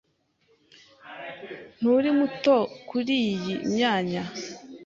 Nturi muto muto kuriyi myanya?